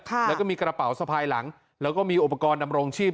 แล้วก็มีกระเป๋าสะพายหลังแล้วก็มีอุปกรณ์ดำรงชีพ